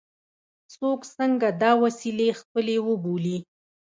څوک څنګه دا وسیلې خپلې وبولي.